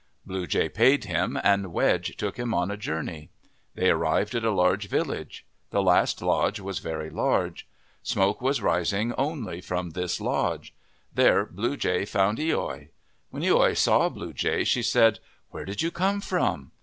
Blue Jay paid him, and Wedge took him on a journey. They arrived at a large village. The last lodge was very large. Smoke was rising only from this lodge. There Blue Jay found loi. When loi saw Blue Jay, she said, " Where did you come from?"